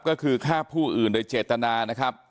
ก็คือฆ่าผู้อื่นโดยเจตนานะครับ